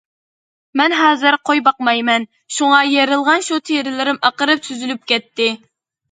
مەن ھازىر قوي باقمايمەن، شۇڭا يېرىلغان شۇ تېرىلىرىم ئاقىرىپ سۈزۈلۈپ كەتتى.